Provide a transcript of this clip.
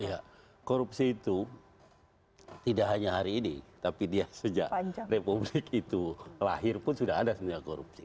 karena korupsi itu tidak hanya hari ini tapi dia sejak republik itu lahir pun sudah ada sebenarnya korupsi